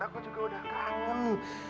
aku juga udah kangen